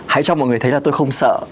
hãy cho mọi người thấy là tôi không sợ